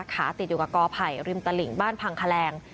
ติดอยู่กับกอไผ่ริมตลิ่งบ้านพังแคลง